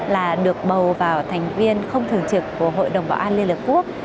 là được bầu vào thành viên không thường trực của hội đồng bảo an liên hợp quốc